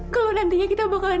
kalau nantinya kita bakalan